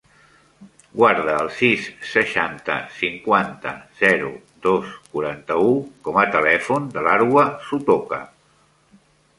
Guarda el sis, seixanta, cinquanta, zero, dos, quaranta-u com a telèfon de l'Arwa Sotoca.